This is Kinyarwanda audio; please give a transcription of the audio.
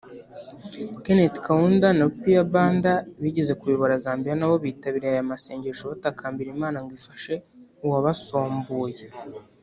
Keneth Kaunda na Rupiah Banda bigeze kuyobora Zambia na bo bitabiriye aya amasengesho batakambira Imana ngo ifashe uwabasombuye